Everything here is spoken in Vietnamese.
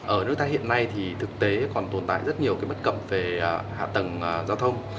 ở nước ta hiện nay thì thực tế còn tồn tại rất nhiều cái bất cập về hạ tầng giao thông